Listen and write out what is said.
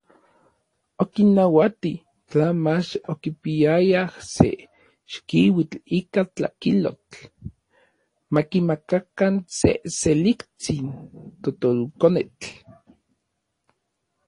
Okinnauati, tla mach okipiayaj se chikiuitl ika tlakilotl, makimakakan se seliktsin totolkonetl.